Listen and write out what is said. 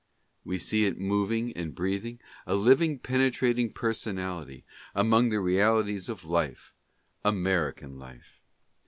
We see it moving and breathing, a living penetrating personality, among the realities of life — American life.